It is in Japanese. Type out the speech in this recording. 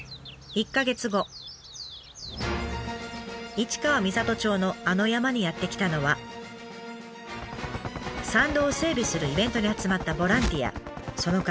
市川三郷町のあの山にやって来たのは山道を整備するイベントで集まったボランティアその数